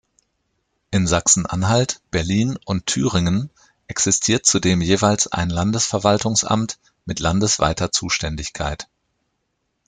In Sachsen-Anhalt, Berlin und Thüringen existiert zudem jeweils ein Landesverwaltungsamt mit landesweiter Zuständigkeit.